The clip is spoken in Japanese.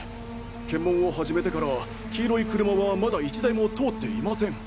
検問を始めてから黄色い車はまだ１台も通っていません。